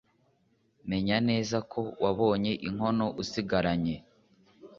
menya neza ko wabonye inkono usigaranye